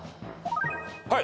はい。